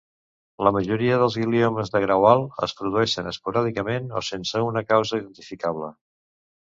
La majoria dels gliomes de grau alt es produeixen esporàdicament o sense una causa identificable.